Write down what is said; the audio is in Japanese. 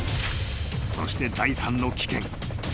［そして第三の危険］